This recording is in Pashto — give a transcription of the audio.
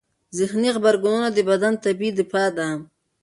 ذهني غبرګونونه د بدن طبیعي دفاع دی.